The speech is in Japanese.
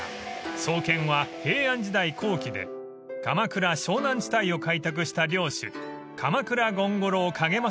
［創建は平安時代後期で鎌倉湘南地帯を開拓した領主鎌倉権五郎景正